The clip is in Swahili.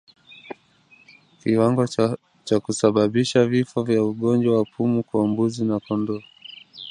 Kiwango cha kusababisha vifo vya ugonjwa wa pumu kwa mbuzi na kondoo